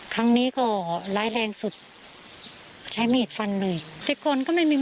ครั้งนี้ก็ร้ายแรงสุดใช้มีดฟันเลยแต่ก่อนก็ไม่มี